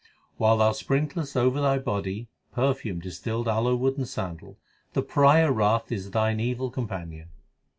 While thou sprinklest over thy body perfumed distilled aloe wood and sa.ndal, The pariah wrath is thine evil companion.